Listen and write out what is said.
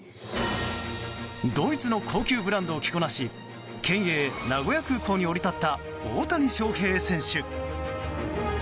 ドイツの高級ブランドを着こなし県営名古屋空港に降り立った大谷翔平選手。